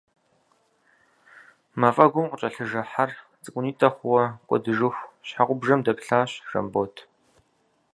Мафӏэгум къыкӏэлъыжэ хьэр, цӏыкӏунитӏэ хъууэ кӏуэдыжыху, щхьэгъубжэм дэплъащ Жэмбот.